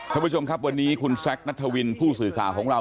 ท่านผู้ชมครับวันนี้คุณแซคนัทวินผู้สื่อข่าวของเรา